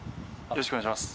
よろしくお願いします。